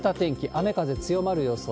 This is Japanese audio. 雨、風強まる予想。